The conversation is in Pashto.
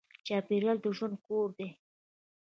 چاپېریال د ژوند کور دی.